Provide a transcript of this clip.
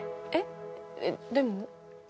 えっでも？